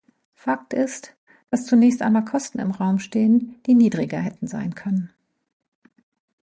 Fakt ist, dass zunächst einmal Kosten im Raum stehen, die niedriger hätten sein können.